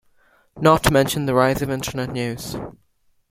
Not to mention the rise of Internet news.